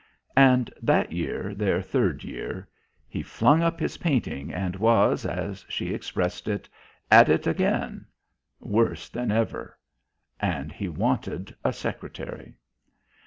And that year, their third year, he flung up his painting and was, as she expressed it, "at it" again. Worse than ever. And he wanted a secretary.